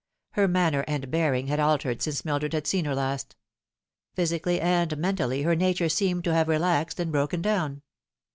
Her manner and bearing had altered since Mildred had seen her last. Physically and mentally her nature seemed to have relaxed and broken down.